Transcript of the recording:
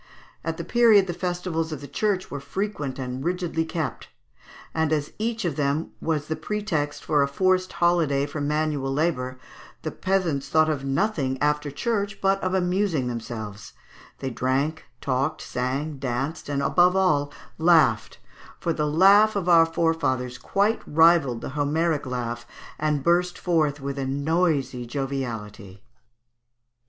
At that period the festivals of the Church were frequent and rigidly kept, and as each of them was the pretext for a forced holiday from manual labour, the peasants thought of nothing, after church, but of amusing themselves; they drank, talked, sang, danced, and, above all, laughed, for the laugh of our forefathers quite rivalled the Homeric laugh, and burst forth with a noisy joviality (Fig.